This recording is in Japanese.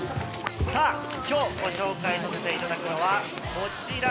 今日ご紹介させていただくのはこちら。